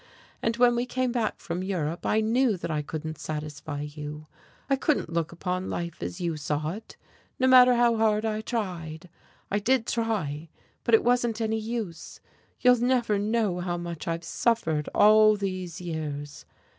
And when we came back from Europe I knew that I couldn't satisfy you, I couldn't look upon life as you saw it, no matter how hard I tried. I did try, but it wasn't any use. You'll never know how much I've suffered all these years.